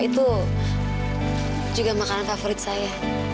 itu juga makanan favorit saya